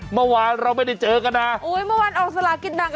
เมื่อวันอะไรเราไม่ได้เจอกันนะเมื่อวานออกสละกินหนัง